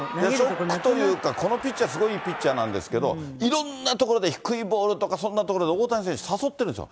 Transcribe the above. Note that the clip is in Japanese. ショックというか、このピッチャー、すごいいいピッチャーですけど、いろんな所で低いボールとかそんなところで大谷選手、誘ってるんですよ。